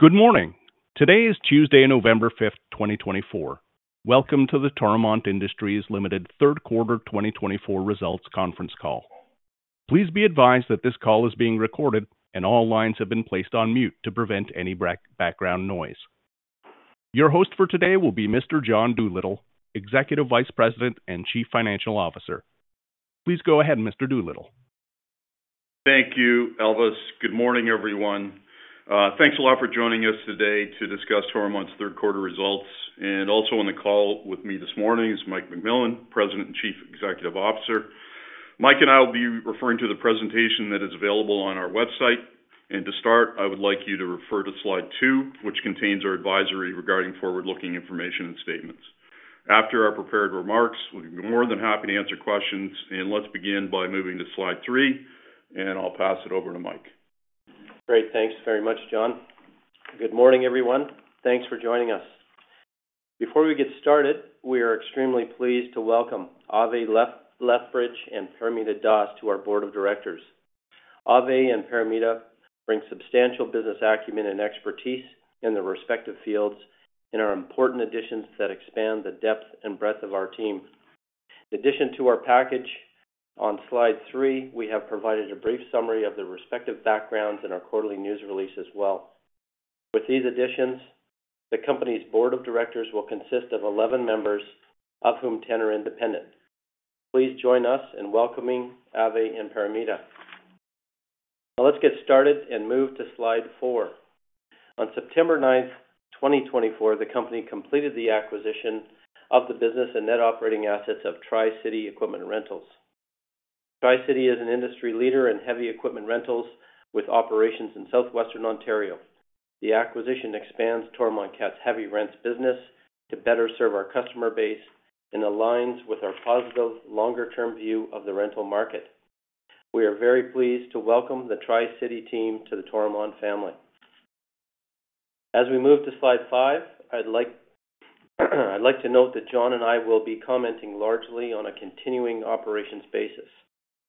Good morning. Today is Tuesday, 5th of November 2024. Welcome to the Toromont Industries Limited Q3 2024 Results Conference Call. Please be advised that this call is being recorded and all lines have been placed on mute to prevent any background noise. Your host for today will be Mr. John Doolittle, Executive Vice President and Chief Financial Officer. Please go ahead, Mr. Doolittle. Thank you, Elvis. Good morning, everyone. Thanks a lot for joining us today to discuss Toromont's Q3 results. And also on the call with me this morning is Michael McMillan, President and Chief Executive Officer. Michael and I will be referring to the presentation that is available on our website. And to start, I would like you to refer to Slide 2, which contains our advisory regarding forward-looking information and statements. After our prepared remarks, we'll be more than happy to answer questions. And let's begin by moving to Slide 3, and I'll pass it over to Michael. Great. Thanks very much, John. Good morning, everyone. Thanks for joining us. Before we get started, we are extremely pleased to welcome Avi Lethbridge and Paramita Das to our board of directors. Avi and Paramita bring substantial business acumen and expertise in their respective fields and are important additions that expand the depth and breadth of our team. In addition to our package, on Slide 3, we have provided a brief summary of their respective backgrounds in our quarterly news release as well. With these additions, the company's board of directors will consist of 11 members, of whom 10 are independent. Please join us in welcoming Avi and Paramita. Now let's get started and move to Slide 4. On September 9th, 2024, the company completed the acquisition of the business and net operating assets of Tri-City Equipment Rentals. Tri-City is an industry leader in heavy equipment rentals with operations in southwestern Ontario. The acquisition expands Toromont Cat's heavy rents business to better serve our customer base and aligns with our positive longer-term view of the rental market. We are very pleased to welcome the Tri-City team to the Toromont family. As we move to Slide 5, I'd like to note that John and I will be commenting largely on a continuing operations basis,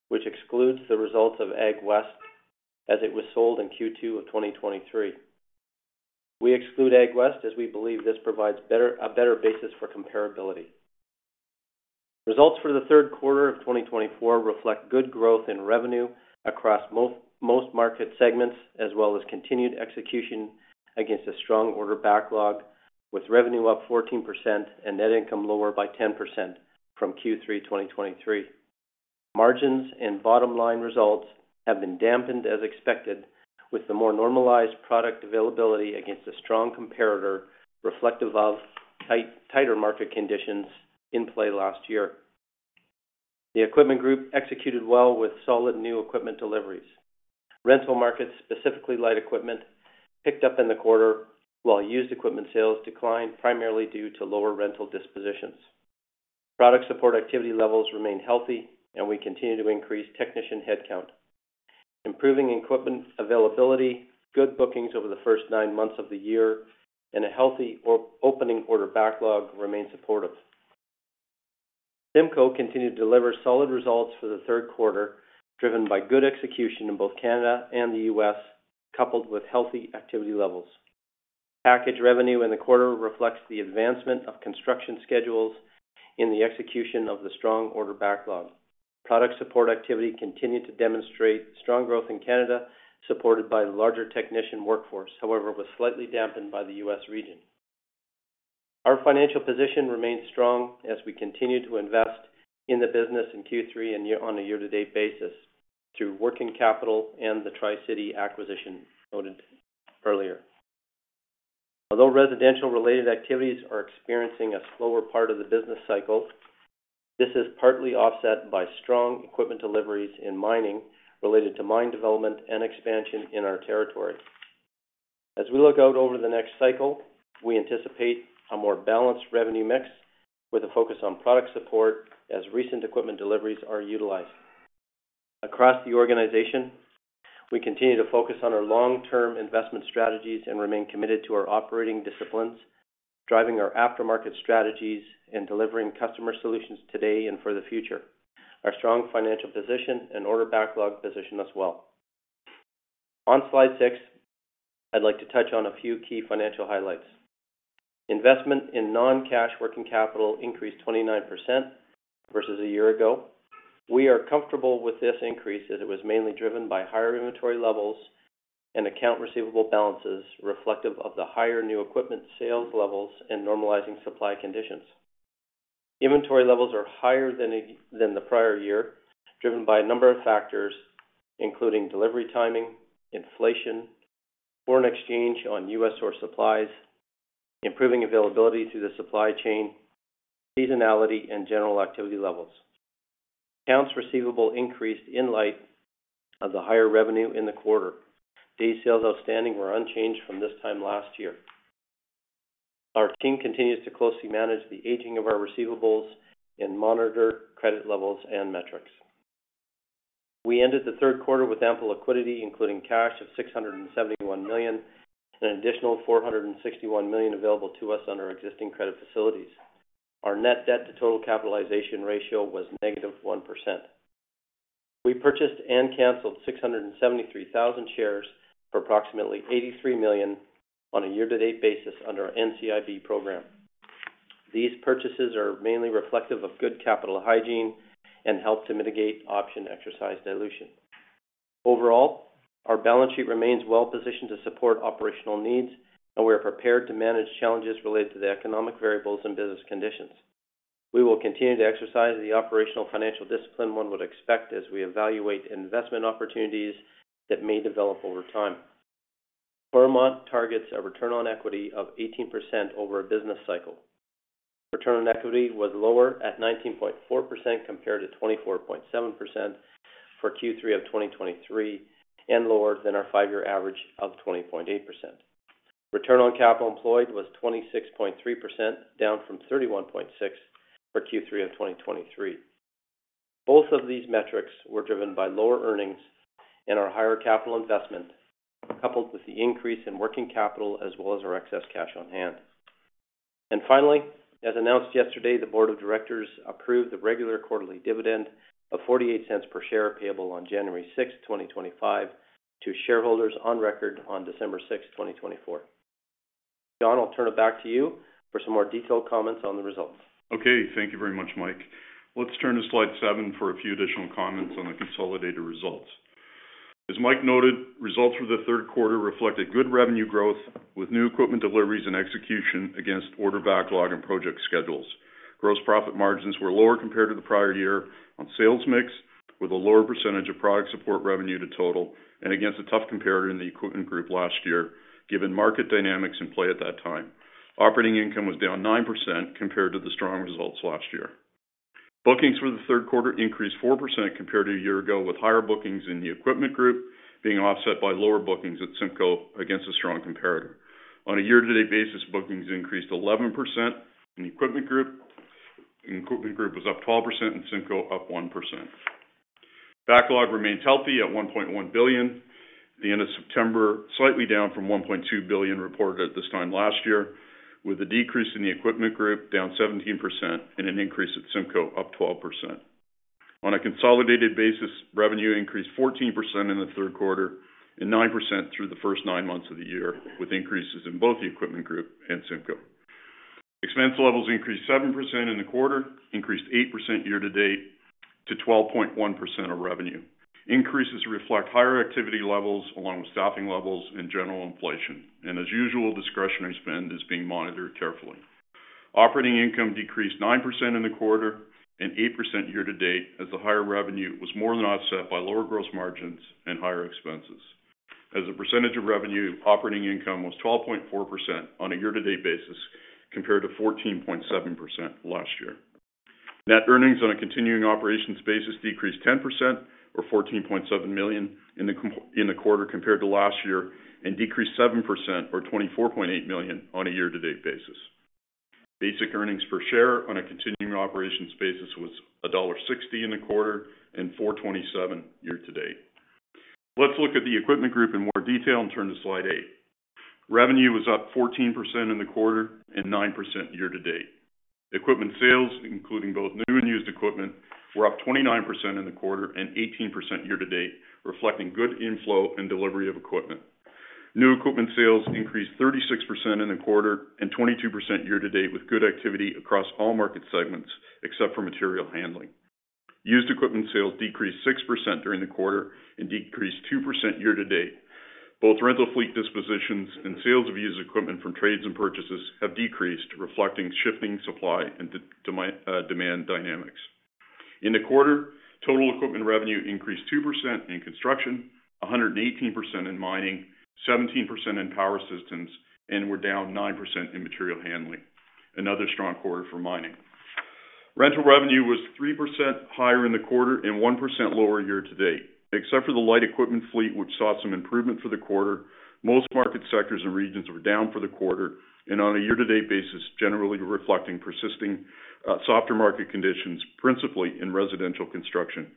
which excludes the results of AgWest as it was sold in Q2 of 2023. We exclude AgWest as we believe this provides a better basis for comparability. Results for the Q3 of 2024 reflect good growth in revenue across most market segments, as well as continued execution against a strong order backlog, with revenue up 14% and net income lower by 10% from Q3 2023. Margins and bottom line results have been dampened, as expected, with the more normalized product availability against a strong comparator reflective of tighter market conditions in play last year. The Equipment Group executed well with solid new equipment deliveries. Rental markets, specifically light equipment, picked up in the quarter, while used equipment sales declined primarily due to lower rental dispositions. Product support activity levels remain healthy, and we continue to increase technician headcount. Improving equipment availability, good bookings over the first nine months of the year, and a healthy opening order backlog remain supportive. Cimco continued to deliver solid results for the Q3, driven by good execution in both Canada and the U.S., coupled with healthy activity levels. Package revenue in the quarter reflects the advancement of construction schedules in the execution of the strong order backlog. Product support activity continued to demonstrate strong growth in Canada, supported by the larger technician workforce. However, it was slightly dampened by the U.S. region. Our financial position remains strong as we continue to invest in the business in Q3 on a year-to-date basis through working capital and the Tri-City acquisition noted earlier. Although residential-related activities are experiencing a slower part of the business cycle, this is partly offset by strong equipment deliveries in mining related to mine development and expansion in our territory. As we look out over the next cycle, we anticipate a more balanced revenue mix with a focus on product support as recent equipment deliveries are utilized. Across the organization, we continue to focus on our long-term investment strategies and remain committed to our operating disciplines, driving our aftermarket strategies and delivering customer solutions today and for the future. Our strong financial position and order backlog position us well. On Slide 6, I'd like to touch on a few key financial highlights. Investment in non-cash working capital increased 29% versus a year ago. We are comfortable with this increase as it was mainly driven by higher inventory levels and accounts receivable balances reflective of the higher new equipment sales levels and normalizing supply conditions. Inventory levels are higher than the prior year, driven by a number of factors, including delivery timing, inflation, foreign exchange on U.S. source supplies, improving availability through the supply chain, seasonality, and general activity levels. Accounts receivable increased in light of the higher revenue in the quarter. These days sales outstanding were unchanged from this time last year. Our team continues to closely manage the aging of our receivables and monitor credit levels and metrics. We ended the Q3 with ample liquidity, including cash of 671 million and an additional 461 million available to us under existing credit facilities. Our net debt to total capitalization ratio was negative 1%. We purchased and canceled 673,000 shares for approximately 83 million on a year-to-date basis under our NCIB program. These purchases are mainly reflective of good capital hygiene and help to mitigate option exercise dilution. Overall, our balance sheet remains well positioned to support operational needs, and we are prepared to manage challenges related to the economic variables and business conditions. We will continue to exercise the operational financial discipline one would expect as we evaluate investment opportunities that may develop over time. Toromont targets a return on equity of 18% over a business cycle. Return on Equity was lower at 19.4% compared to 24.7% for Q3 of 2023 and lower than our five-year average of 20.8%. Return on Capital Employed was 26.3%, down from 31.6% for Q3 of 2023. Both of these metrics were driven by lower earnings and our higher capital investment, coupled with the increase in working capital as well as our excess cash on hand. And finally, as announced yesterday, the board of directors approved the regular quarterly dividend of 0.48 per share payable on January 6th, 2025, to shareholders on record on December 6th, 2024. John, I'll turn it back to you for some more detailed comments on the results. Okay. Thank you very much, Michael. Let's turn to Slide 7 for a few additional comments on the consolidated results. As Michael noted, results for the Q3 reflected good revenue growth with new equipment deliveries and execution against order backlog and project schedules. Gross profit margins were lower compared to the prior year on sales mix, with a lower percentage of product support revenue to total, and against a tough competitor in the equipment group last year, given market dynamics in play at that time. Operating income was down 9% compared to the strong results last year. Bookings for the Q3 increased 4% compared to a year ago, with higher bookings in the equipment group being offset by lower bookings at Cimco against a strong competitor. On a year-to-date basis, bookings increased 11% in the equipment group. The equipment group was up 12% and Cimco up 1%. Backlog remains healthy at 1.1 billion at the end of September, slightly down from 1.2 billion reported at this time last year, with a decrease in the Equipment Group, down 17%, and an increase at Cimco up 12%. On a consolidated basis, revenue increased 14% in the Q3 and 9% through the first nine months of the year, with increases in both the Equipment Group and Cimco. Expense levels increased 7% in the quarter, increased 8% year-to-date to 12.1% of revenue. Increases reflect higher activity levels along with staffing levels and general inflation, and as usual, discretionary spend is being monitored carefully. Operating income decreased 9% in the quarter and 8% year-to-date as the higher revenue was more than offset by lower gross margins and higher expenses. As a percentage of revenue, operating income was 12.4% on a year-to-date basis compared to 14.7% last year. Net earnings on a continuing operations basis decreased 10%, or 14.7 million, in the quarter compared to last year and decreased 7%, or 24.8 million, on a year-to-date basis. Basic earnings per share on a continuing operations basis was dollar 1.60 in the quarter and 4.27 year-to-date. Let's look at the equipment group in more detail and turn to Slide 8. Revenue was up 14% in the quarter and 9% year-to-date. Equipment sales, including both new and used equipment, were up 29% in the quarter and 18% year-to-date, reflecting good inflow and delivery of equipment. New equipment sales increased 36% in the quarter and 22% year-to-date with good activity across all market segments except for material handling. Used equipment sales decreased 6% during the quarter and decreased 2% year-to-date. Both rental fleet dispositions and sales of used equipment from trades and purchases have decreased, reflecting shifting supply and demand dynamics. In the quarter, total equipment revenue increased 2% in construction, 118% in mining, 17% in power systems, and were down 9% in material handling, another strong quarter for mining. Rental revenue was 3% higher in the quarter and 1% lower year-to-date. Except for the light equipment fleet, which saw some improvement for the quarter, most market sectors and regions were down for the quarter and on a year-to-date basis, generally reflecting persisting softer market conditions, principally in residential construction.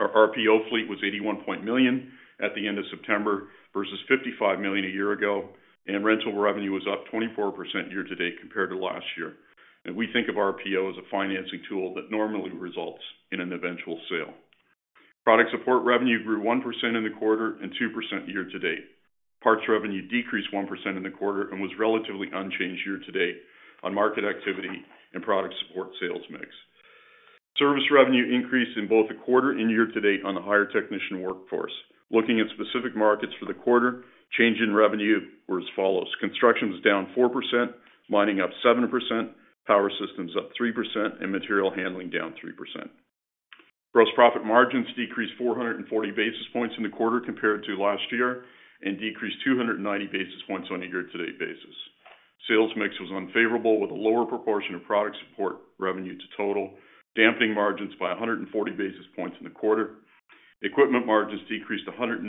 Our RPO fleet was 81.5 million at the end of September versus 55 million a year ago, and rental revenue was up 24% year-to-date compared to last year, and we think of RPO as a financing tool that normally results in an eventual sale. Product support revenue grew 1% in the quarter and 2% year-to-date. Parts revenue decreased 1% in the quarter and was relatively unchanged year-to-date on market activity and product support sales mix. Service revenue increased in both the quarter and year-to-date on the higher technician workforce. Looking at specific markets for the quarter, change in revenue was as follows. Construction was down 4%, mining up 7%, power systems up 3%, and material handling down 3%. Gross profit margins decreased 440 basis points in the quarter compared to last year and decreased 290 basis points on a year-to-date basis. Sales mix was unfavorable, with a lower proportion of product support revenue to total, dampening margins by 140 basis points in the quarter. Equipment margins decreased 190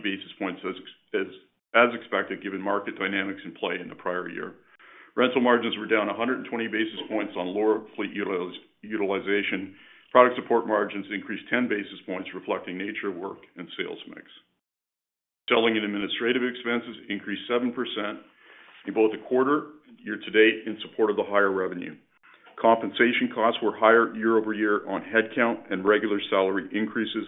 basis points as expected, given market dynamics in play in the prior year. Rental margins were down 120 basis points on lower fleet utilization. Product support margins increased 10 basis points, reflecting nature of work and sales mix. Selling and administrative expenses increased 7% in both the quarter and year-to-date in support of the higher revenue. Compensation costs were higher year-over-year on headcount and regular salary increases,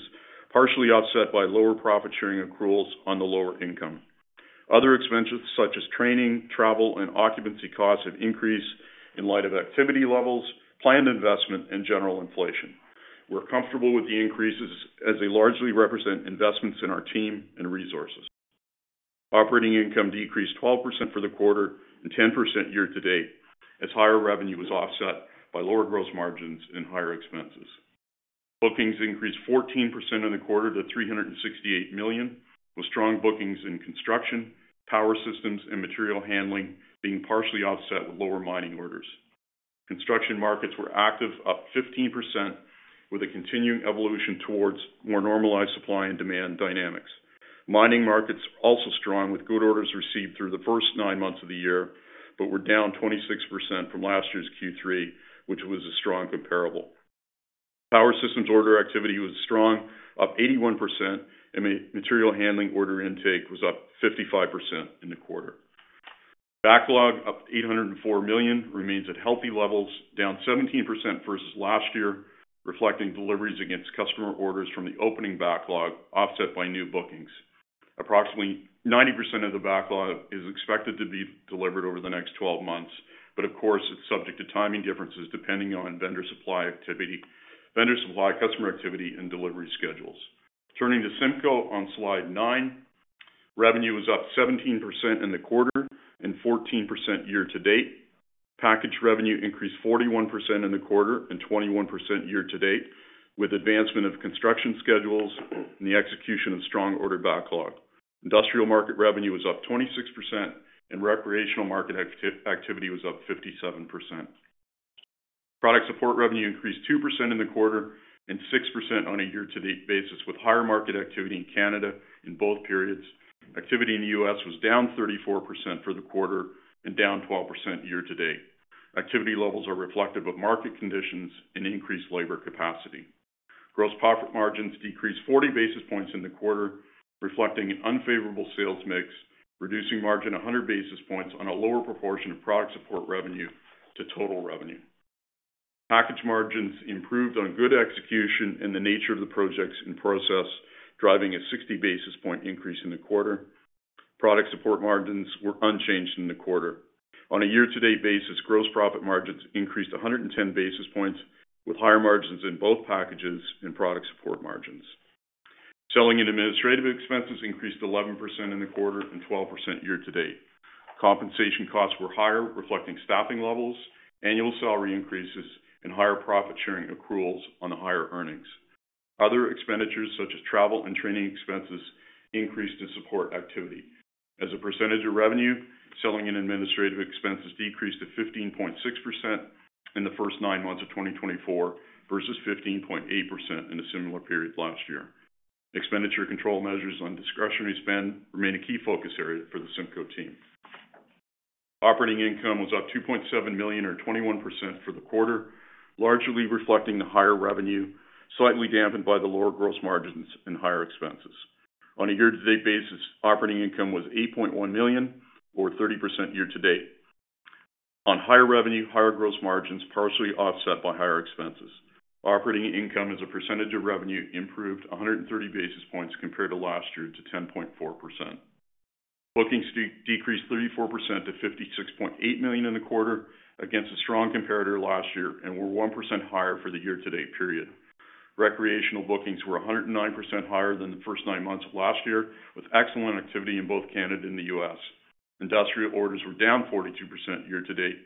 partially offset by lower profit-sharing accruals on the lower income. Other expenses, such as training, travel, and occupancy costs, have increased in light of activity levels, planned investment, and general inflation. We're comfortable with the increases as they largely represent investments in our team and resources. Operating income decreased 12% for the quarter and 10% year-to-date as higher revenue was offset by lower gross margins and higher expenses. Bookings increased 14% in the quarter to 368 million, with strong bookings in construction, power systems, and material handling being partially offset with lower mining orders. Construction markets were active, up 15%, with a continuing evolution towards more normalized supply and demand dynamics. Mining markets also strong with good orders received through the first nine months of the year, but were down 26% from last year's Q3, which was a strong comparable. Power systems order activity was strong, up 81%, and material handling order intake was up 55% in the quarter. Backlog, up 804 million, remains at healthy levels, down 17% versus last year, reflecting deliveries against customer orders from the opening backlog, offset by new bookings. Approximately 90% of the backlog is expected to be delivered over the next 12 months, but of course, it's subject to timing differences depending on vendor supply activity, vendor supply, customer activity, and delivery schedules. Turning to Cimco on Slide 9, revenue was up 17% in the quarter and 14% year-to-date. Package revenue increased 41% in the quarter and 21% year-to-date with advancement of construction schedules and the execution of strong order backlog. Industrial market revenue was up 26%, and recreational market activity was up 57%. Product support revenue increased 2% in the quarter and 6% on a year-to-date basis with higher market activity in Canada in both periods. Activity in the U.S. was down 34% for the quarter and down 12% year-to-date. Activity levels are reflective of market conditions and increased labor capacity. Gross profit margins decreased 40 basis points in the quarter, reflecting an unfavorable sales mix, reducing margin 100 basis points on a lower proportion of product support revenue to total revenue. Package margins improved on good execution and the nature of the projects in process, driving a 60 basis point increase in the quarter. Product support margins were unchanged in the quarter. On a year-to-date basis, gross profit margins increased 110 basis points with higher margins in both packages and product support margins. Selling and administrative expenses increased 11% in the quarter and 12% year-to-date. Compensation costs were higher, reflecting staffing levels, annual salary increases, and higher profit-sharing accruals on the higher earnings. Other expenditures, such as travel and training expenses, increased to support activity. As a percentage of revenue, selling and administrative expenses decreased to 15.6% in the first nine months of 2024 versus 15.8% in a similar period last year. Expenditure control measures on discretionary spend remain a key focus area for the Cimco team. Operating income was up 2.7 million, or 21%, for the quarter, largely reflecting the higher revenue, slightly dampened by the lower gross margins and higher expenses. On a year-to-date basis, operating income was 8.1 million, or 30% year-to-date. On higher revenue, higher gross margins partially offset by higher expenses. Operating income as a percentage of revenue improved 130 basis points compared to last year to 10.4%. Bookings decreased 34% to 56.8 million in the quarter against a strong comparative last year and were 1% higher for the year-to-date period. Recreational bookings were 109% higher than the first nine months of last year, with excellent activity in both Canada and the U.S. Industrial orders were down 42% year-to-date,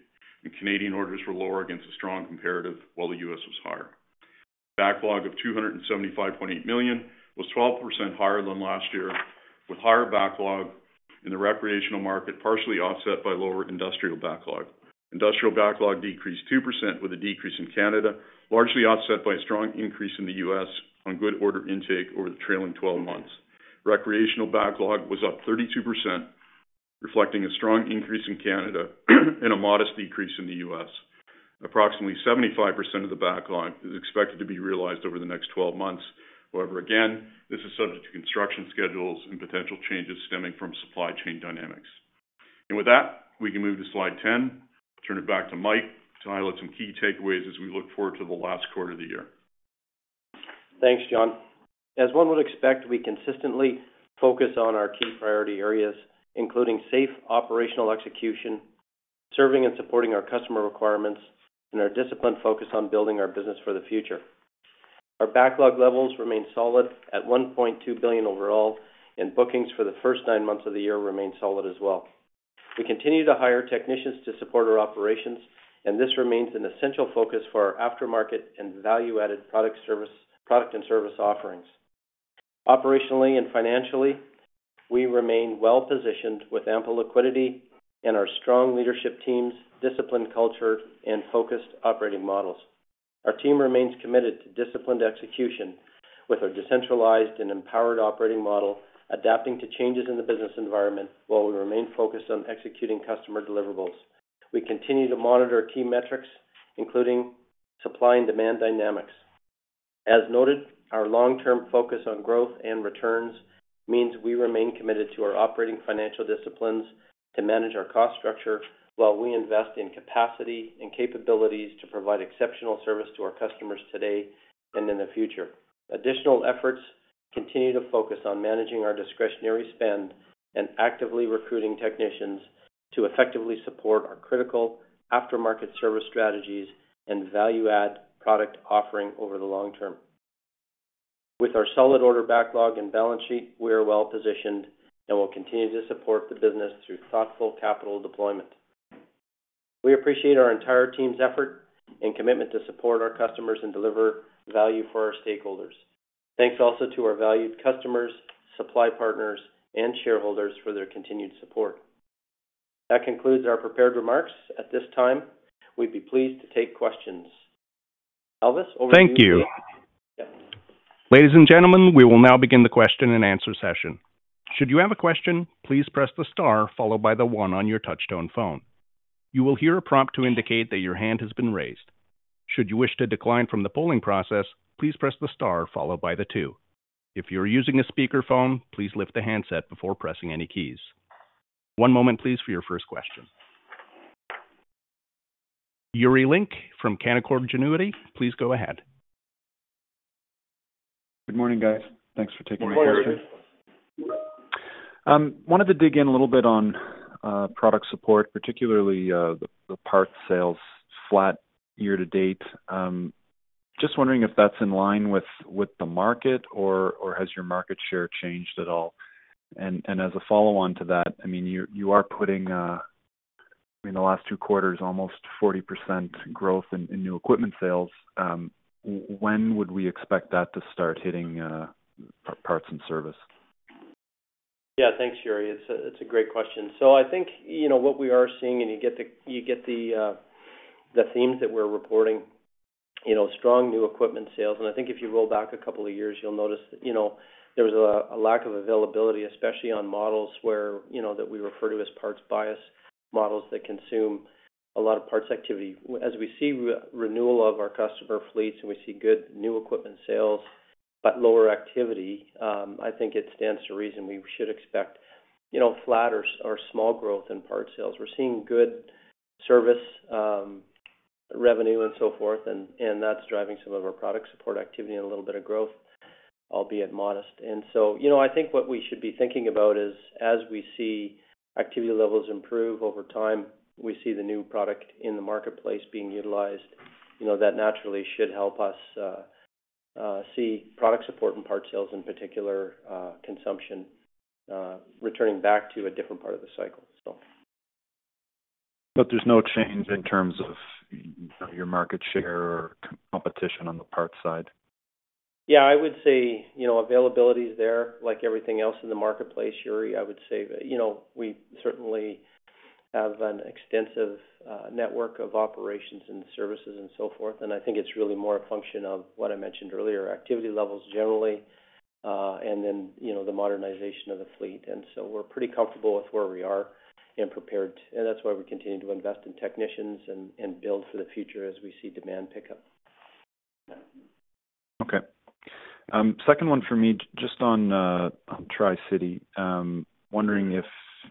and Canadian orders were lower against a strong comparative, while the U.S. was higher. Backlog of 275.8 million was 12% higher than last year, with higher backlog in the recreational market partially offset by lower industrial backlog. Industrial backlog decreased 2% with a decrease in Canada, largely offset by a strong increase in the U.S. on good order intake over the trailing 12 months. Recreational backlog was up 32%, reflecting a strong increase in Canada and a modest decrease in the U.S. Approximately 75% of the backlog is expected to be realized over the next 12 months. However, again, this is subject to construction schedules and potential changes stemming from supply chain dynamics. And with that, we can move to Slide 10. Turn it back to Michael to highlight some key takeaways as we look forward to the last quarter of the year. Thanks, John. As one would expect, we consistently focus on our key priority areas, including safe operational execution, serving and supporting our customer requirements, and our disciplined focus on building our business for the future. Our backlog levels remain solid at 1.2 billion overall, and bookings for the first nine months of the year remain solid as well. We continue to hire technicians to support our operations, and this remains an essential focus for our aftermarket and value-added product and service offerings. Operationally and financially, we remain well-positioned with ample liquidity and our strong leadership teams, disciplined culture, and focused operating models. Our team remains committed to disciplined execution with our decentralized and empowered operating model, adapting to changes in the business environment while we remain focused on executing customer deliverables. We continue to monitor key metrics, including supply and demand dynamics. As noted, our long-term focus on growth and returns means we remain committed to our operating financial disciplines to manage our cost structure while we invest in capacity and capabilities to provide exceptional service to our customers today and in the future. Additional efforts continue to focus on managing our discretionary spend and actively recruiting technicians to effectively support our critical aftermarket service strategies and value-add product offering over the long term. With our solid order backlog and balance sheet, we are well-positioned and will continue to support the business through thoughtful capital deployment. We appreciate our entire team's effort and commitment to support our customers and deliver value for our stakeholders. Thanks also to our valued customers, supply partners, and shareholders for their continued support. That concludes our prepared remarks. At this time, we'd be pleased to take questions. Elvis over to you. Thank you. Ladies and gentlemen, we will now begin the Q&A session. Should you have a question, please press the star followed by the one on your touch-tone phone. You will hear a prompt to indicate that your hand has been raised. Should you wish to decline from the polling process, please press the star followed by the two. If you are using a speakerphone, please lift the handset before pressing any keys. One moment, please, for your first question. Yuri Lynk from Canaccord Genuity. Please go ahead. Good morning, guys. Thanks for taking my call today. Good morning. Wanted to dig in a little bit on product support, particularly the parts sales flat year-to-date. Just wondering if that's in line with the market or has your market share changed at all? And as a follow-on to that, I mean, you are putting in the last two quarters almost 40% growth in new equipment sales. When would we expect that to start hitting parts and service? Thanks, Yuri. It's a great question. So I think what we are seeing, and you get the themes that we're reporting, strong new equipment sales, and I think if you roll back a couple of years, you'll notice there was a lack of availability, especially on models that we refer to as parts bias models that consume a lot of parts activity. As we see renewal of our customer fleets and we see good new equipment sales but lower activity, I think it stands to reason. We should expect flat or small growth in parts sales. We're seeing good service revenue and so forth, and that's driving some of our product support activity and a little bit of growth, albeit modest. And so I think what we should be thinking about is, as we see activity levels improve over time, we see the new product in the marketplace being utilized. That naturally should help us see product support and parts sales in particular consumption returning back to a different part of the cycle, so. But there's no change in terms of your market share or competition on the parts side? I would say availability is there like everything else in the marketplace, Yuri. I would say we certainly have an extensive network of operations and services and so forth, and I think it's really more a function of what I mentioned earlier, activity levels generally, and then the modernization of the fleet, and so we're pretty comfortable with where we are and prepared, and that's why we continue to invest in technicians and build for the future as we see demand pick up. Okay. Second one for me, just on Tri-City. Wondering if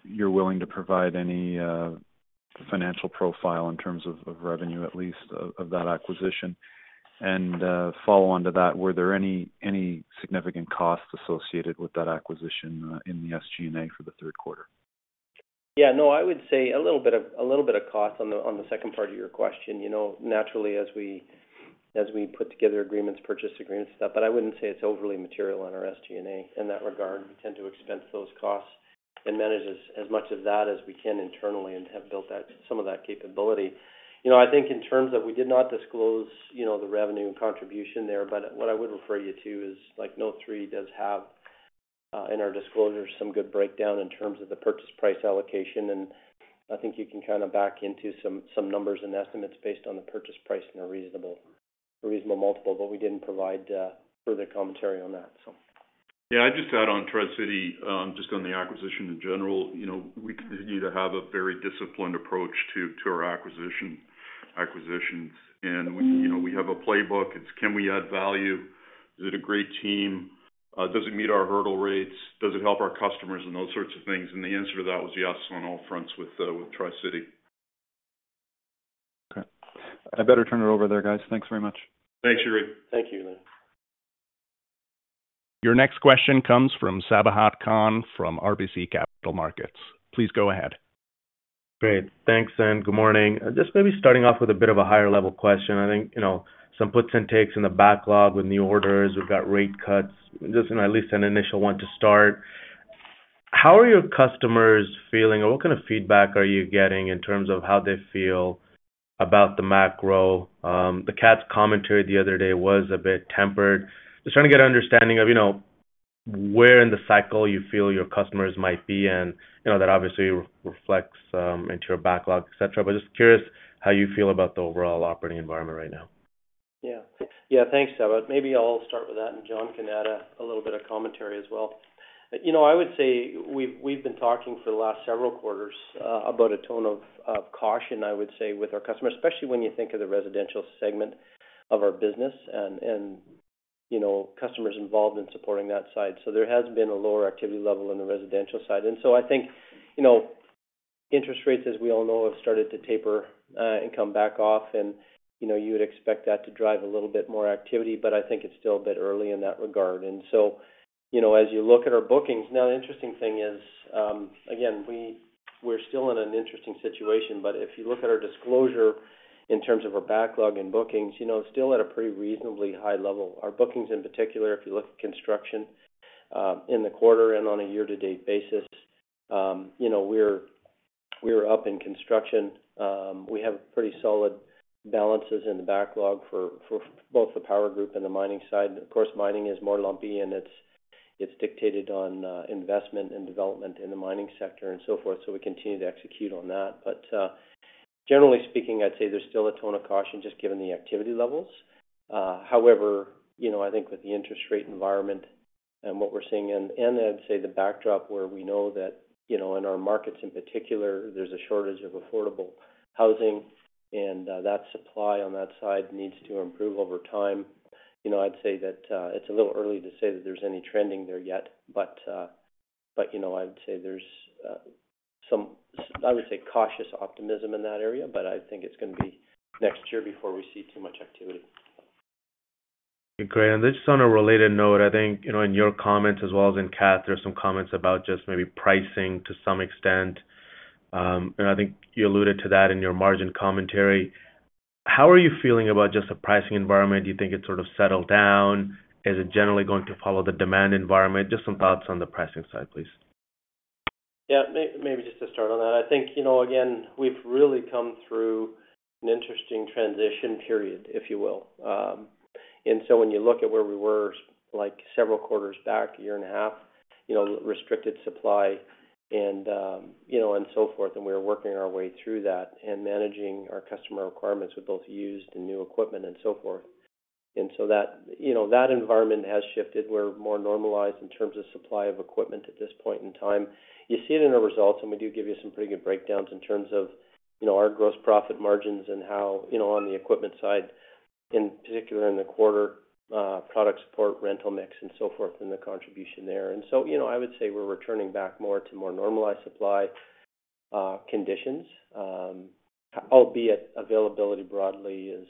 you're willing to provide any financial profile in terms of revenue, at least, of that acquisition. And follow on to that, were there any significant costs associated with that acquisition in the SG&A for the Q3? No, I would say a little bit of cost on the second part of your question. Naturally, as we put together agreements, purchase agreements, stuff, but I wouldn't say it's overly material on our SG&A in that regard. We tend to expense those costs and manage as much of that as we can internally and have built some of that capability. I think in terms of we did not disclose the revenue contribution there, but what I would refer you to is note 3 does have in our disclosure some good breakdown in terms of the purchase price allocation, and I think you can kind of back into some numbers and estimates based on the purchase price and a reasonable multiple, but we didn't provide further commentary on that, so. I just add on Tri-City, just on the acquisition in general. We continue to have a very disciplined approach to our acquisitions, and we have a playbook. It's, can we add value? Is it a great team? Does it meet our hurdle rates? Does it help our customers and those sorts of things, and the answer to that was yes on all fronts with Tri-City. Okay. I better turn it over there, guys. Thanks very much. Thanks, Yuri. Thank you, Lee. Your next question comes from Sabahat Khan from RBC Capital Markets. Please go ahead. Great. Thanks, and good morning. Just maybe starting off with a bit of a higher-level question. I think some puts and takes in the backlog with new orders. We've got rate cuts, just at least an initial one to start. How are your customers feeling? What kind of feedback are you getting in terms of how they feel about the macro? The Cat's commentary the other day was a bit tempered. Just trying to get an understanding of where in the cycle you feel your customers might be, and that obviously reflects into your backlog, etc. But just curious how you feel about the overall operating environment right now. Thanks, Sabah. Maybe I'll start with that, and John can add a little bit of commentary as well. I would say we've been talking for the last several quarters about a tone of caution, I would say, with our customers, especially when you think of the residential segment of our business and customers involved in supporting that side. So there has been a lower activity level on the residential side. And so I think interest rates, as we all know, have started to taper and come back off. And you would expect that to drive a little bit more activity, but I think it's still a bit early in that regard. And so as you look at our bookings, now the interesting thing is, again, we're still in an interesting situation. But if you look at our disclosure in terms of our backlog and bookings, still at a pretty reasonably high level. Our bookings, in particular, if you look at construction in the quarter and on a year-to-date basis, we're up in construction. We have pretty solid balances in the backlog for both the power group and the mining side. Of course, mining is more lumpy, and it's dictated on investment and development in the mining sector and so forth. So we continue to execute on that. But generally speaking, I'd say there's still a tone of caution just given the activity levels. However, I think with the interest rate environment and what we're seeing, and I'd say the backdrop where we know that in our markets in particular, there's a shortage of affordable housing, and that supply on that side needs to improve over time. I'd say that it's a little early to say that there's any trending there yet, but I would say there's some, I would say, cautious optimism in that area. But I think it's going to be next year before we see too much activity. Okay. Great. And just on a related note, I think in your comments as well as in Kath, there are some comments about just maybe pricing to some extent. And I think you alluded to that in your margin commentary. How are you feeling about just the pricing environment? Do you think it's sort of settled down? Is it generally going to follow the demand environment? Just some thoughts on the pricing side, please. Maybe just to start on that, I think, again, we've really come through an interesting transition period, if you will. And so when you look at where we were several quarters back, a year and a half, restricted supply and so forth, and we were working our way through that and managing our customer requirements with both used and new equipment and so forth. And so that environment has shifted. We're more normalized in terms of supply of equipment at this point in time. You see it in our results, and we do give you some pretty good breakdowns in terms of our gross profit margins and how on the equipment side, in particular, in the quarter, product support, rental mix, and so forth, and the contribution there. I would say we're returning back to more normalized supply conditions, albeit availability broadly is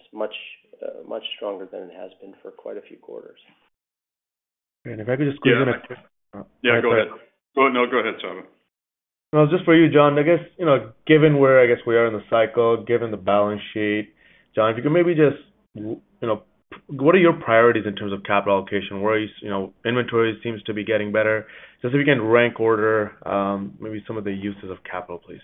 much stronger than it has been for quite a few quarters. Okay. And if I could just squeeze in a quick. Go ahead. No, go ahead, Sabahat. Just for you, John, I guess given where I guess we are in the cycle, given the balance sheet, John, if you could maybe just what are your priorities in terms of capital allocation? Inventory seems to be getting better. Just if you can rank order maybe some of the uses of capital, please.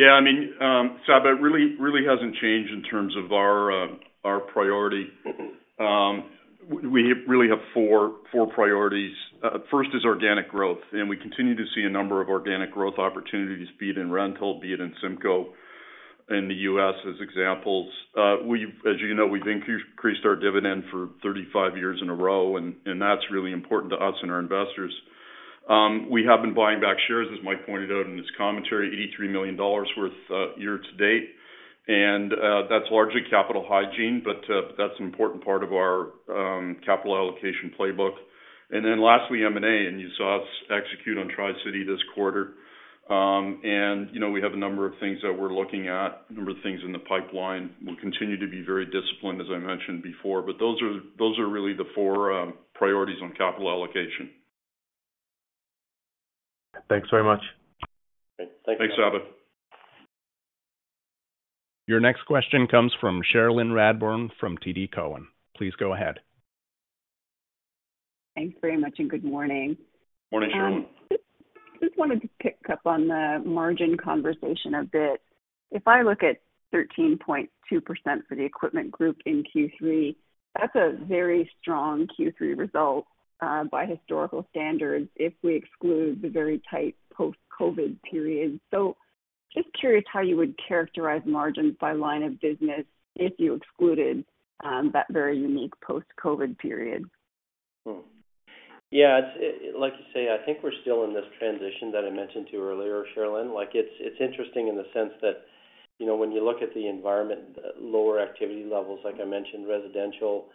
I mean, Sabahat, it really hasn't changed in terms of our priority. We really have four priorities. First is organic growth. And we continue to see a number of organic growth opportunities, be it in rental, be it in Cimco in the U.S. as examples. As you know, we've increased our dividend for 35 years in a row, and that's really important to us and our investors. We have been buying back shares, as Michael pointed out in his commentary, 83 million dollars worth year-to-date. And that's largely capital hygiene, but that's an important part of our capital allocation playbook. And then lastly, M&A, and you saw us execute on Tri-City this quarter. And we have a number of things that we're looking at, a number of things in the pipeline. We'll continue to be very disciplined, as I mentioned before. But those are really the four priorities on capital allocation. Thanks very much. Great. Thanks, guys. Thanks, Sabah. Your next question comes from Cherilyn Radburn from TD Cowen. Please go ahead. Thanks very much, and good morning. Morning, Sherilyn. I just wanted to pick up on the margin conversation a bit. If I look at 13.2% for the equipment group in Q3, that's a very strong Q3 result by historical standards if we exclude the very tight post-COVID period. So just curious how you would characterize margins by line of business if you excluded that very unique post-COVID period? Like you say, I think we're still in this transition that I mentioned to you earlier, Sherilyn. It's interesting in the sense that when you look at the environment, lower activity levels, like I mentioned, residential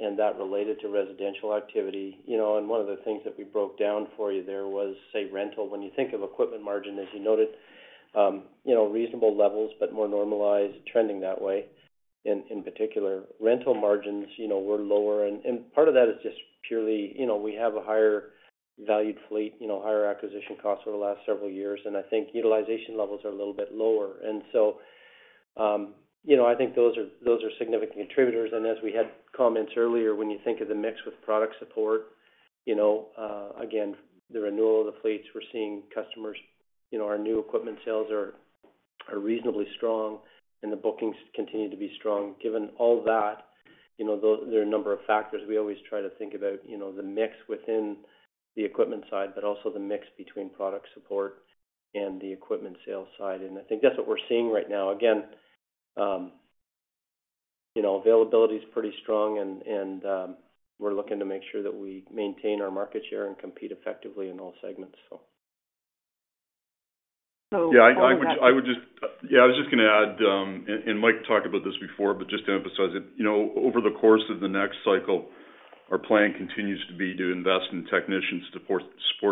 and that related to residential activity. And one of the things that we broke down for you there was, say, rental. When you think of equipment margin, as you noted, reasonable levels but more normalized, trending that way in particular. Rental margins were lower. And part of that is just purely we have a higher valued fleet, higher acquisition costs over the last several years. And I think those are significant contributors. And as we had comments earlier, when you think of the mix with product support, again, the renewal of the fleets, we're seeing customers, our new equipment sales are reasonably strong, and the bookings continue to be strong. Given all that, there are a number of factors. We always try to think about the mix within the equipment side, but also the mix between product support and the equipment sales side. And I think that's what we're seeing right now. Again, availability is pretty strong, and we're looking to make sure that we maintain our market share and compete effectively in all segments, so. I was just going to add, and Michael talked about this before, but just to emphasize it, over the course of the next cycle, our plan continues to be to invest in technicians to support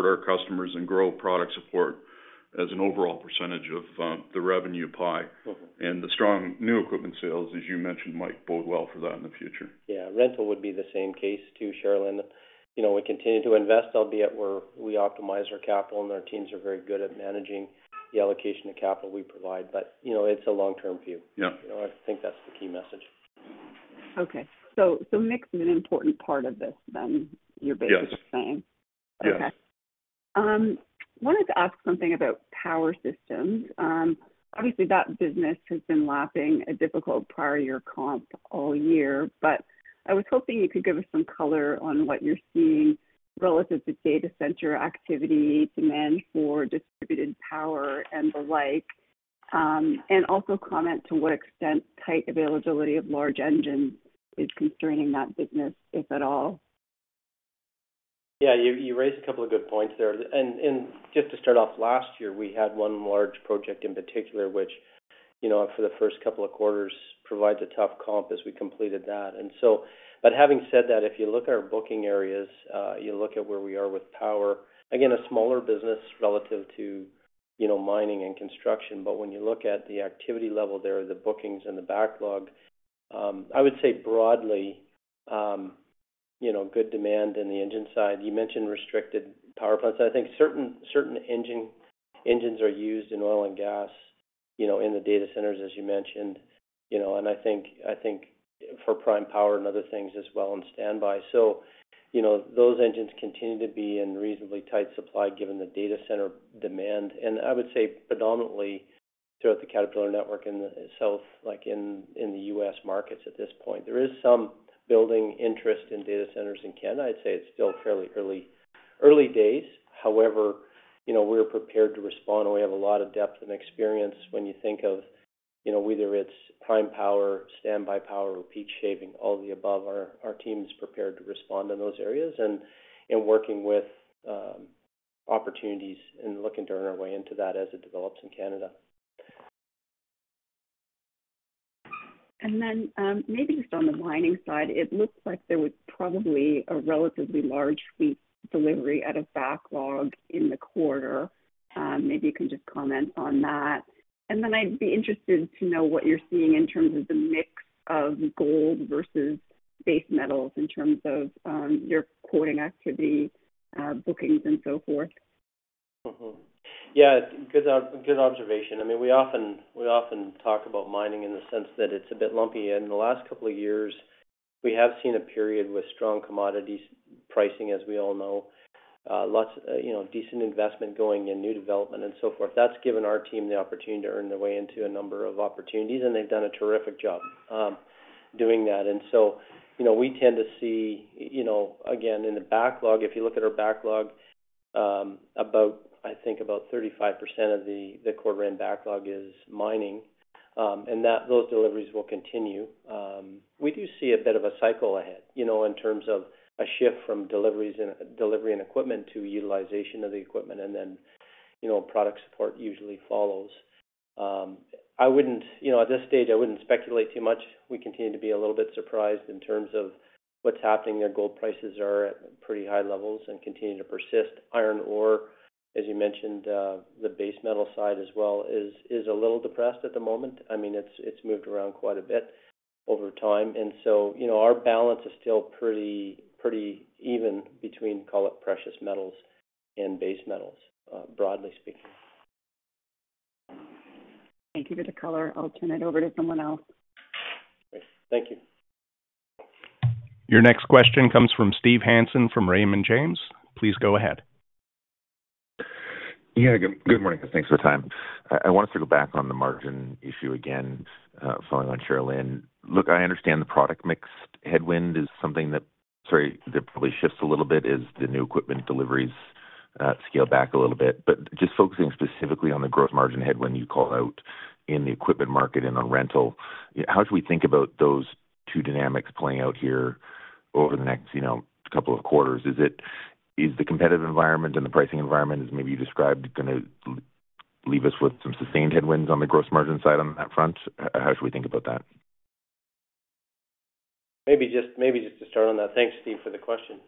our customers and grow product support as an overall percentage of the revenue pie. The strong new equipment sales, as you mentioned, Michael, will bode well for that in the future. Rental would be the same case too, Sherilyn. We continue to invest, albeit we optimize our capital, and our teams are very good at managing the allocation of capital we provide. But it's a long-term view. I think that's the key message. Okay, so mix is an important part of this then, you're basically saying? Yes. Okay. I wanted to ask something about power systems. Obviously, that business has been lapping a difficult prior-year comp all year, but I was hoping you could give us some color on what you're seeing relative to data center activity, demand for distributed power, and the like, and also comment to what extent tight availability of large engines is concerning that business, if at all. You raised a couple of good points there. And just to start off, last year, we had one large project in particular, which for the first couple of quarters provides a tough comp as we completed that. And so, but having said that, if you look at our booking areas, you look at where we are with power, again, a smaller business relative to mining and construction. But when you look at the activity level there, the bookings and the backlog, I would say broadly good demand in the engine side. You mentioned restricted power plants. I think certain engines are used in oil and gas in the data centers, as you mentioned. And I think for prime power and other things as well in standby. So those engines continue to be in reasonably tight supply given the data center demand. And I would say predominantly throughout the Caterpillar network in the south, in the U.S. markets at this point. There is some building interest in data centers in Canada. I'd say it's still fairly early days. However, we're prepared to respond. We have a lot of depth and experience when you think of whether it's prime power, standby power, or peak shaving, all of the above. Our team is prepared to respond in those areas and working with opportunities and looking to earn our way into that as it develops in Canada. And then maybe just on the mining side, it looks like there was probably a relatively large fleet delivery out of backlog in the quarter. Maybe you can just comment on that. And then I'd be interested to know what you're seeing in terms of the mix of gold versus base metals in terms of your quoting activity, bookings, and so forth. Good observation. I mean, we often talk about mining in the sense that it's a bit lumpy, and in the last couple of years, we have seen a period with strong commodity pricing, as we all know, decent investment going in new development and so forth. That's given our team the opportunity to earn their way into a number of opportunities, and they've done a terrific job doing that, and so we tend to see, again, in the backlog, if you look at our backlog, I think about 35% of the quarter-end backlog is mining, and those deliveries will continue. We do see a bit of a cycle ahead in terms of a shift from delivery and equipment to utilization of the equipment, and then product support usually follows. At this stage, I wouldn't speculate too much. We continue to be a little bit surprised in terms of what's happening there. Gold prices are at pretty high levels and continue to persist. Iron ore, as you mentioned, the base metal side as well, is a little depressed at the moment. I mean, it's moved around quite a bit over time, and so our balance is still pretty even between, call it, precious metals and base metals, broadly speaking. Thank you for the color. I'll turn it over to someone else. Great. Thank you. Your next question comes from Steve Hansen from Raymond James. Please go ahead. Good morning. Thanks for the time. I want us to go back on the margin issue again, following on Sherilyn. Look, I understand the product mix headwind is something that, sorry, that probably shifts a little bit as the new equipment deliveries scale back a little bit. But just focusing specifically on the gross margin headwind you call out in the equipment market and on rental, how should we think about those two dynamics playing out here over the next couple of quarters? Is the competitive environment and the pricing environment, as maybe you described, going to leave us with some sustained headwinds on the gross margin side on that front? How should we think about that? Maybe just to start on that, thanks, Steve, for the question.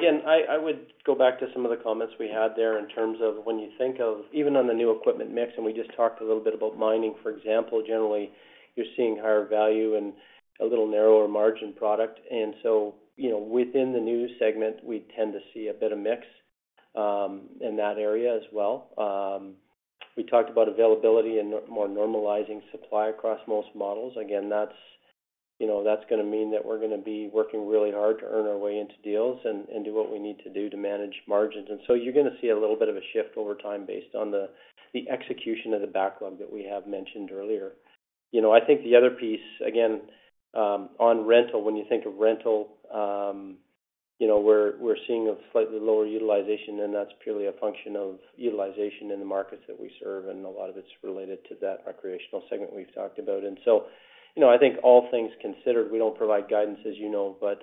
Again, I would go back to some of the comments we had there in terms of when you think of even on the new equipment mix, and we just talked a little bit about mining, for example, generally, you're seeing higher value and a little narrower margin product, and so within the new segment, we tend to see a bit of mix in that area as well. We talked about availability and more normalizing supply across most models. Again, that's going to mean that we're going to be working really hard to earn our way into deals and do what we need to do to manage margins, and so you're going to see a little bit of a shift over time based on the execution of the backlog that we have mentioned earlier. I think the other piece, again, on rental, when you think of rental, we're seeing a slightly lower utilization, and that's purely a function of utilization in the markets that we serve. And a lot of it's related to that recreational segment we've talked about. And so I think all things considered, we don't provide guidance, as you know, but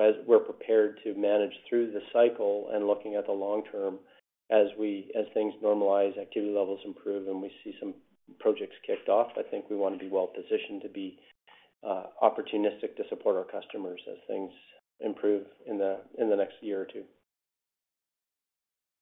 as we're prepared to manage through the cycle and looking at the long term as things normalize, activity levels improve, and we see some projects kicked off, I think we want to be well-positioned to be opportunistic to support our customers as things improve in the next year or two.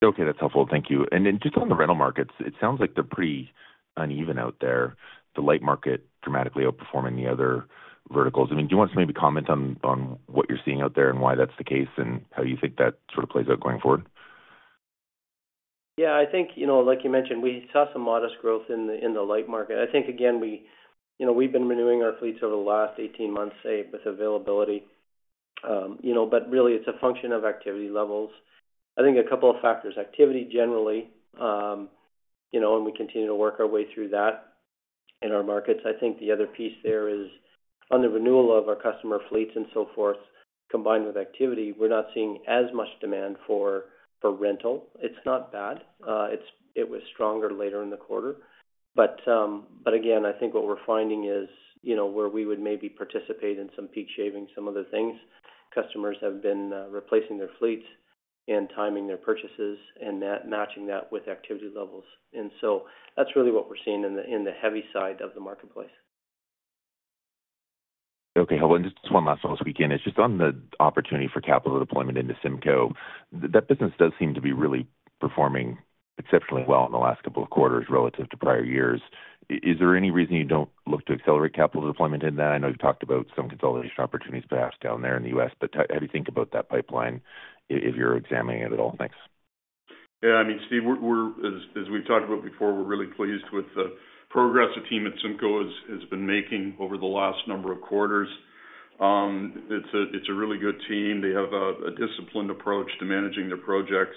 Okay. That's helpful. Thank you. And then just on the rental markets, it sounds like they're pretty uneven out there. The light market dramatically outperforming the other verticals. I mean, do you want us to maybe comment on what you're seeing out there and why that's the case and how you think that sort of plays out going forward? I think, like you mentioned, we saw some modest growth in the light market. I think, again, we've been renewing our fleets over the last 18 months, say, with availability, but really, it's a function of activity levels. I think a couple of factors, activity generally, and we continue to work our way through that in our markets. I think the other piece there is on the renewal of our customer fleets and so forth, combined with activity, we're not seeing as much demand for rental. It's not bad. It was stronger later in the quarter, but again, I think what we're finding is where we would maybe participate in some peak shaving, some other things. Customers have been replacing their fleets and timing their purchases and matching that with activity levels, and so that's really what we're seeing in the heavy side of the marketplace. Okay. Hold on. Just one last thought as we get in. It's just on the opportunity for capital deployment into Cimco. That business does seem to be really performing exceptionally well in the last couple of quarters relative to prior years. Is there any reason you don't look to accelerate capital deployment in that? I know you've talked about some consolidation opportunities perhaps down there in the U.S., but how do you think about that pipeline if you're examining it at all? Thanks. I mean, Steve, as we've talked about before, we're really pleased with the progress the team at Cimco has been making over the last number of quarters. It's a really good team. They have a disciplined approach to managing their projects,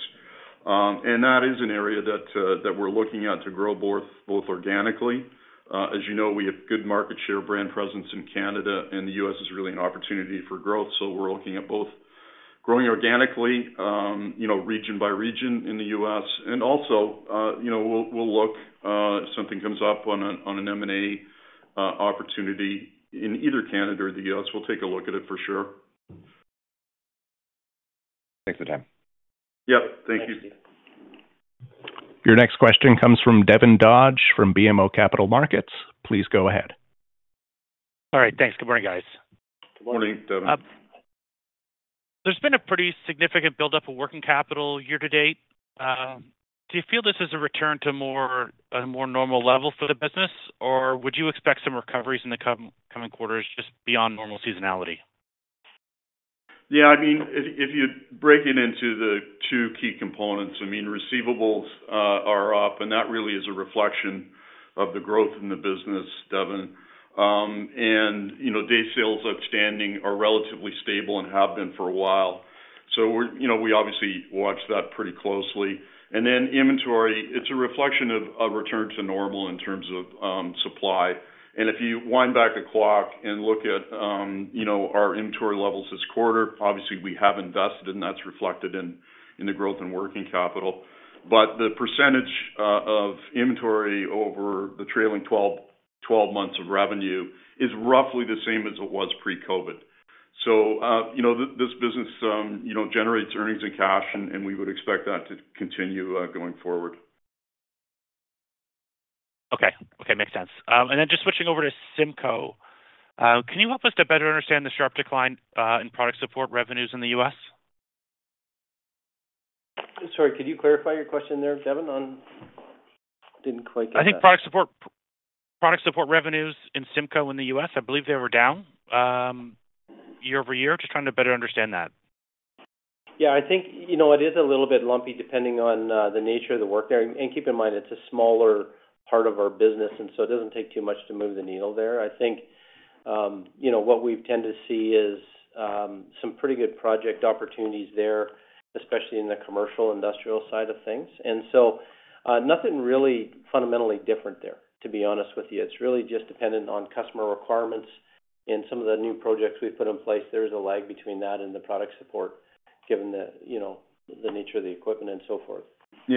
and that is an area that we're looking at to grow both organically. As you know, we have good market share, brand presence in Canada, and the U.S. is really an opportunity for growth, so we're looking at both growing organically, region by region in the U.S., and also, we'll look if something comes up on an M&A opportunity in either Canada or the U.S. We'll take a look at it for sure. Thanks for the time. Yep. Thank you. Thanks, Steve. Your next question comes from Devin Dodge from BMO Capital Markets. Please go ahead. All right. Thanks. Good morning, guys. Good morning, Devin. There's been a pretty significant buildup of working capital year to date. Do you feel this is a return to a more normal level for the business, or would you expect some recoveries in the coming quarters just beyond normal seasonality? I mean, if you break it into the two key components, I mean, receivables are up, and that really is a reflection of the growth in the business, Devin, and day sales outstanding are relatively stable and have been for a while, so we obviously watch that pretty closely, and then inventory, it's a reflection of a return to normal in terms of supply, and if you wind back a clock and look at our inventory levels this quarter, obviously, we have invested, and that's reflected in the growth in working capital, but the percentage of inventory over the trailing 12 months of revenue is roughly the same as it was pre-COVID, so this business generates earnings and cash, and we would expect that to continue going forward. Okay. Okay. Makes sense. And then just switching over to Cimco, can you help us to better understand the sharp decline in product support revenues in the U.S.? Sorry. Could you clarify your question there, Devin? I didn't quite get that. I think product support revenues in Cimco in the US, I believe they were down year over year. Just trying to better understand that. I think it is a little bit lumpy depending on the nature of the work there. And keep in mind, it's a smaller part of our business, and so it doesn't take too much to move the needle there. I think what we've tended to see is some pretty good project opportunities there, especially in the commercial industrial side of things. And so nothing really fundamentally different there, to be honest with you. It's really just dependent on customer requirements. And some of the new projects we've put in place, there is a lag between that and the product support, given the nature of the equipment and so forth.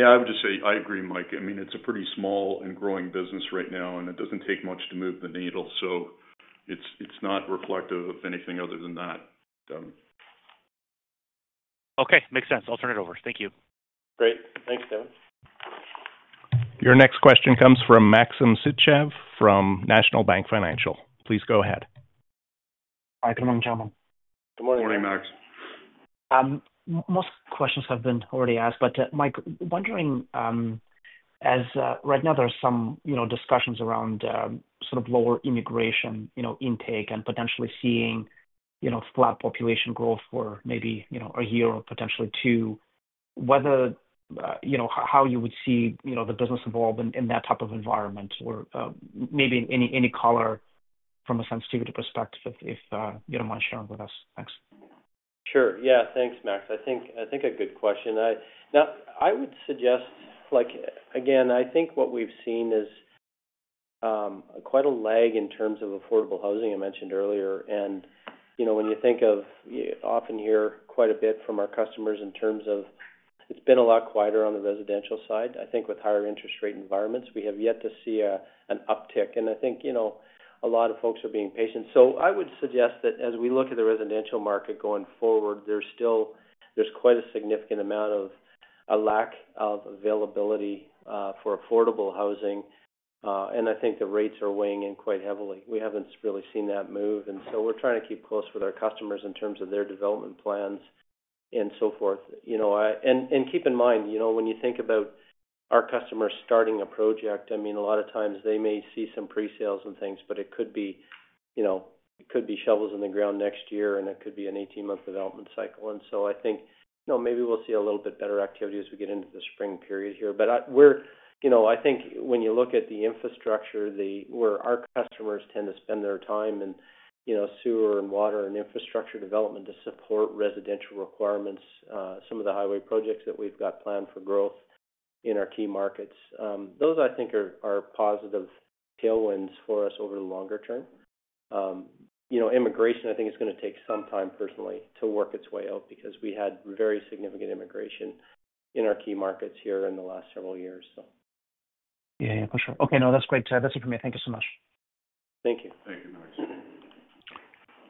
I would just say I agree, Michael. I mean, it's a pretty small and growing business right now, and it doesn't take much to move the needle. So it's not reflective of anything other than that, Devin. Okay. Makes sense. I'll turn it over. Thank you. Great. Thanks, Devin. Your next question comes from Maxim Sytchev from National Bank Financial. Please go ahead. Hi. Good morning, gentlemen. Good morning, gentlemen. Good morning, Max. Most questions have been already asked. But, Michael, wondering, as right now there are some discussions around sort of lower immigration intake and potentially seeing flat population growth for maybe a year or potentially two, how you would see the business evolve in that type of environment or maybe any color from a sensitivity perspective, if you don't mind sharing with us? Thanks. Sure. Thanks, Max. I think a good question. Now, I would suggest, again, I think what we've seen is quite a lag in terms of affordable housing I mentioned earlier. And when you think of often hear quite a bit from our customers in terms of it's been a lot quieter on the residential side. I think with higher interest rate environments, we have yet to see an uptick. And I think a lot of folks are being patient. So I would suggest that as we look at the residential market going forward, there's quite a significant amount of lack of availability for affordable housing. And I think the rates are weighing in quite heavily. We haven't really seen that move. And so we're trying to keep close with our customers in terms of their development plans and so forth. And keep in mind, when you think about our customers starting a project, I mean, a lot of times they may see some pre-sales and things, but it could be shovels in the ground next year, and it could be an 18-month development cycle. And so I think maybe we'll see a little bit better activity as we get into the spring period here. But I think when you look at the infrastructure, where our customers tend to spend their time and sewer and water and infrastructure development to support residential requirements, some of the highway projects that we've got planned for growth in our key markets, those I think are positive tailwinds for us over the longer term. Immigration, I think, is going to take some time personally to work its way out because we had very significant immigration in our key markets here in the last several years, so. For sure. Okay. No, that's great. That's it from me. Thank you so much. Thank you. Thank you, Max.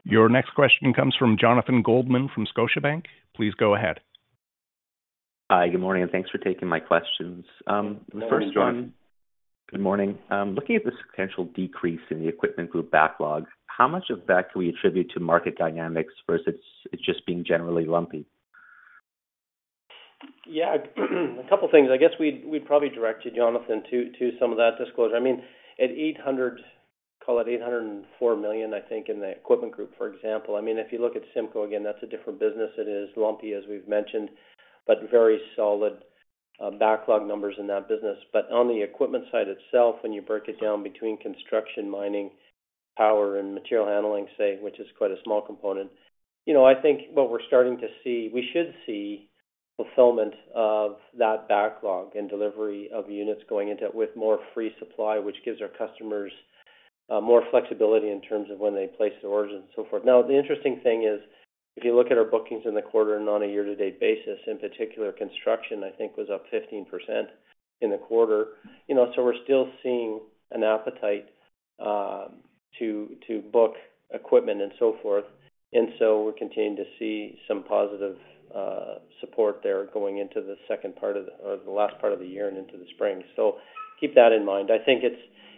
Your next question comes from Jonathan Goldman from Scotiabank. Please go ahead. Hi. Good morning and thanks for taking my questions. The first one. Good morning, John. Good morning. Looking at the substantial decrease in the Equipment Group backlog, how much of that can we attribute to market dynamics versus it just being generally lumpy? A couple of things. I guess we'd probably direct you, Jonathan, to some of that disclosure. I mean, at 800 million, call it 804 million, I think, in the equipment group, for example. I mean, if you look at Cimco, again, that's a different business. It is lumpy, as we've mentioned, but very solid backlog numbers in that business. But on the equipment side itself, when you break it down between construction, mining, power, and material handling, say, which is quite a small component, I think what we're starting to see, we should see fulfillment of that backlog and delivery of units going into it with more free supply, which gives our customers more flexibility in terms of when they place the orders and so forth. Now, the interesting thing is if you look at our bookings in the quarter and on a year-to-date basis, in particular, construction, I think, was up 15% in the quarter. So we're still seeing an appetite to book equipment and so forth. And so we're continuing to see some positive support there going into the second part of the or the last part of the year and into the spring. So keep that in mind. I think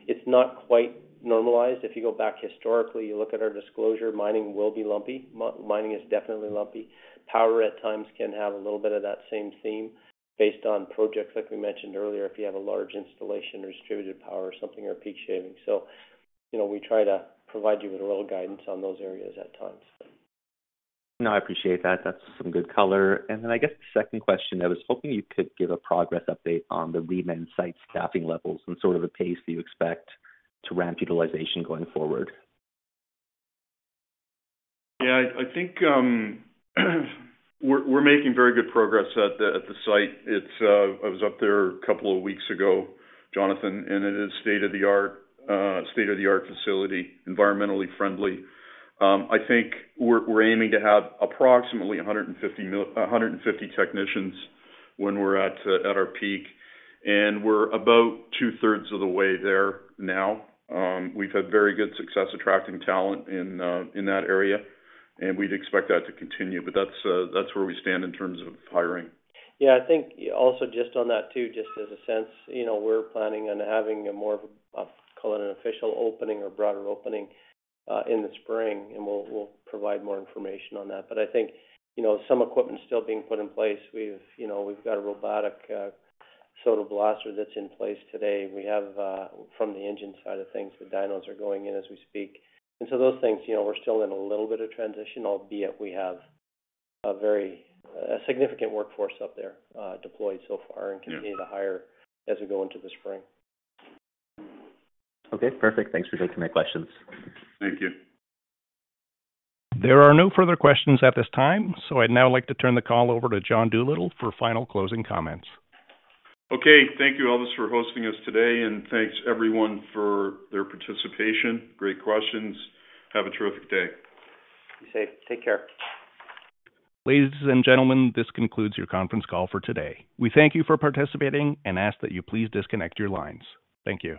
it's not quite normalized. If you go back historically, you look at our disclosure, mining will be lumpy. Mining is definitely lumpy. Power at times can have a little bit of that same theme based on projects, like we mentioned earlier, if you have a large installation or distributed power or something or peak shaving. So we try to provide you with a little guidance on those areas at times. No, I appreciate that. That's some good color. And then I guess the second question, I was hoping you could give a progress update on the Reman site staffing levels and sort of the pace that you expect to ramp utilization going forward. I think we're making very good progress at the site. I was up there a couple of weeks ago, Jonathan, and it is state-of-the-art facility, environmentally friendly. I think we're aiming to have approximately 150 technicians when we're at our peak, and we're about two-thirds of the way there now. We've had very good success attracting talent in that area, and we'd expect that to continue, but that's where we stand in terms of hiring. I think also just on that too, just as a sense, we're planning on having more of a, call it an official opening or broader opening in the spring, and we'll provide more information on that. But I think some equipment is still being put in place. We've got a robotic soda blaster that's in place today. We have, from the engine side of things, the dynos are going in as we speak. And so those things, we're still in a little bit of transition, albeit we have a significant workforce up there deployed so far and continue to hire as we go into the spring. Okay. Perfect. Thanks for taking my questions. Thank you. There are no further questions at this time. So I'd now like to turn the call over to John Doolittle for final closing comments. Okay. Thank you, Elvis, for hosting us today. And thanks, everyone, for their participation. Great questions. Have a terrific day. You too. Take care. Ladies and gentlemen, this concludes your conference call for today. We thank you for participating and ask that you please disconnect your lines. Thank you.